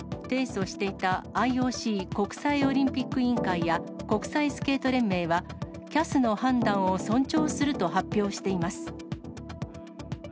提訴していたＩＯＣ・国際オリンピック委員会や、国際スケート連盟は、ＣＡＳの判断を尊重すると発表しています。